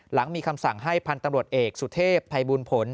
หลังมีคำสั่งให้พันธุ์ตำรวจเอกสุเทพภัยบูลผล